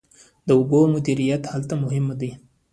د اوبو مدیریت هلته مهم دی.